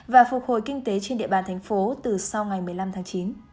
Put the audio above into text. và phục hồi kinh tế trên địa bàn thành phố từ sau ngày một mươi năm tháng chín